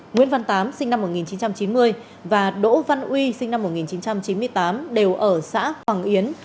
nguyễn văn tám sinh năm một nghìn chín trăm chín mươi và đỗ văn uy sinh năm một nghìn chín trăm chín mươi tám đều ở xã hoàng yến